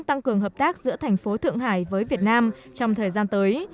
tăng cường hợp tác giữa thành phố thượng hải với việt nam trong thời gian tới